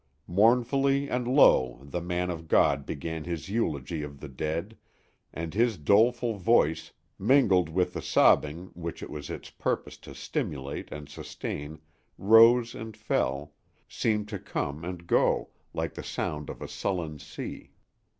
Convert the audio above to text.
Mournfully and low the man of God began his eulogy of the dead, and his doleful voice, mingled with the sobbing which it was its purpose to stimulate and sustain, rose and fell, seemed to come and go, like the sound of a sullen sea.